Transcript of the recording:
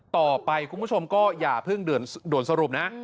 ต่อไปคุณผู้ชมก็อย่าเพิ่งด่วนสรุปนะ